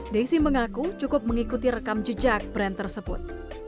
daisy mengaku cukup mengikuti rekam jejak brand tersebut